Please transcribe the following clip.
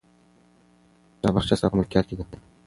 دا باغچه ستا په ملکیت کې ده.